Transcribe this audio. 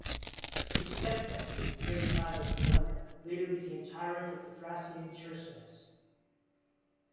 His step-nephew, Miltiades the Younger, later became tyrant of the Thracian Chersonese.